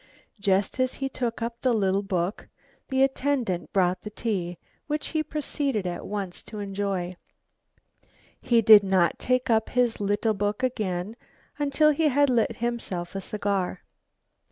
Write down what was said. Just as he took up the little book, the attendant brought the tea, which he proceeded at once to enjoy. He did not take up his little book again until he had lit himself a cigar.